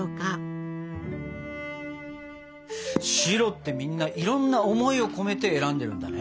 「白」ってみんないろんな思いを込めて選んでるんだね。